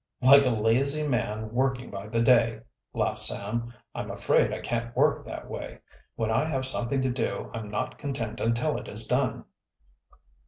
"Like a lazy man working by the day," laughed Sam. "I'm afraid I can't work that way. When I have something to do I'm not content until it is done."